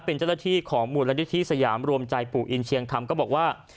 เป็นเจ้าหน้าที่ของมูลนิธิสยามรวมใจปู่อินเชียงคำก็บอกว่า